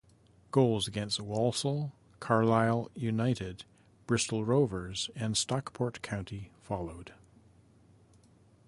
Goals against Walsall, Carlisle United, Bristol Rovers and Stockport County followed.